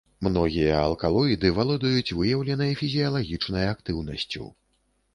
Многія алкалоіды валодаюць выяўленай фізіялагічнай актыўнасцю.